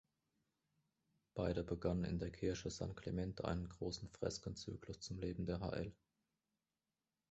Beide begannen in der Kirche San Clemente einen großen Freskenzyklus zum Leben der hl.